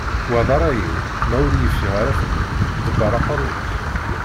Wa d rray-iw, ma ur yeffiɣ ara fell-ak ḍebber aqerru-k.